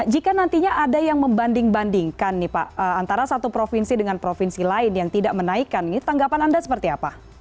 jika nantinya ada yang membanding bandingkan nih pak antara satu provinsi dengan provinsi lain yang tidak menaikkan ini tanggapan anda seperti apa